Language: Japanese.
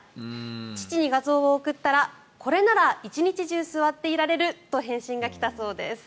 父に画像を送ったらこれなら一日中座っていられると返信が来たそうです。